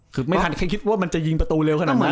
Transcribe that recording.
คือไม่ทันแค่คิดว่ามันจะยิงประตูเร็วขนาดนั้น